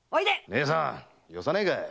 姉さんよさねえかい！